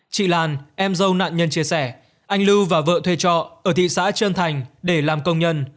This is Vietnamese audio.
chị làn em dâu nạn nhân chia sẻ anh lưu và vợ thuê trọ ở thị xã trơn thành để làm công nhân